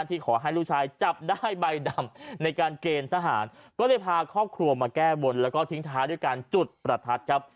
ขอให้ลูกชายจับได้ใบดำในการเกณฑ์ทหารก็เลยพาครอบครัวมาแก้บนแล้วก็ทิ้งท้ายด้วยการจุดประทัดครับ